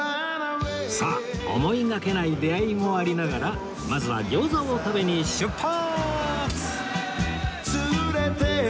さあ思いがけない出会いもありながらまずは餃子を食べに出発！